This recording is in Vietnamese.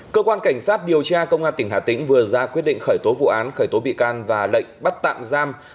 cơ quan cảnh sát điều tra công an tỉnh hà tĩnh vừa ra quyết định khởi tố vụ án khởi tố bị can và lệnh bắt tạm giam